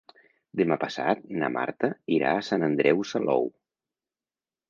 Demà passat na Marta irà a Sant Andreu Salou.